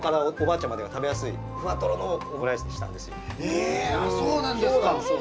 へあそうなんですか！